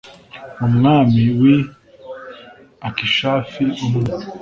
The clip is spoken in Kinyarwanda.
umwami w'i akishafi, umwe